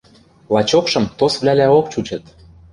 Лачокшым тосвлӓлӓок чучыт.